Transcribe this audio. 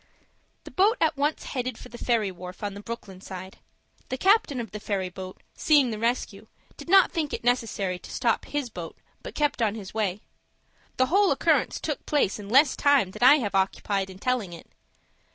The boat at once headed for the ferry wharf on the Brooklyn side. The captain of the ferry boat, seeing the rescue, did not think it necessary to stop his boat, but kept on his way. The whole occurrence took place in less time than I have occupied in telling it.